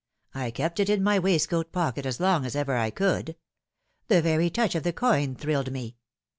I kept it in my waistcoat pocket as long as ever I could. The very touch of the coin thrilled me.